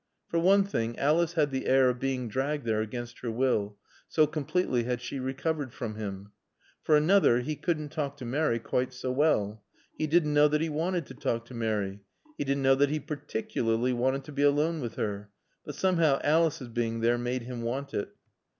For one thing, Alice had the air of being dragged there against her will, so completely had she recovered from him. For another, he couldn't talk to Mary quite so well. He didn't know that he wanted to talk to Mary. He didn't know that he particularly wanted to be alone with her, but somehow Alice's being there made him want it.